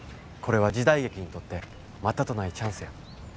これは時代劇にとってまたとないチャンスや。